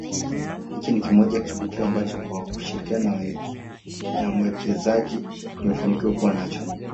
Hiki ni moja ya kivutio ambacho kwa kushirikiana na mwekezaji tumefanikiwa kuwa nacho